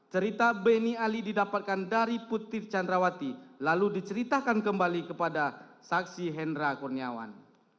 cerita beni ali didapatkan dari putri candrawati lalu diceritakan kembali kepada saksi hendra kurniawan